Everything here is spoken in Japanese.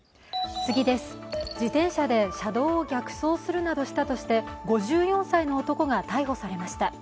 自転車で車道を逆走するなどしたとして５４歳の男が逮捕されました。